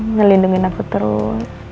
ngelindungin aku terus